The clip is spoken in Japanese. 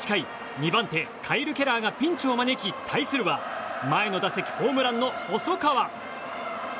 ２番手カイル・ケラーがピンチを招き対するは前の打席ホームランの細川。